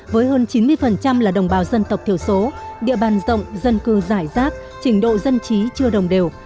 với hơn chín mươi là đồng bào dân tộc thiểu số địa bàn rộng dân cư giải rác trình độ dân trí chưa đồng đều